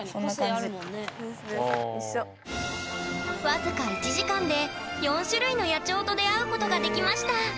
僅か１時間で４種類の野鳥と出会うことができました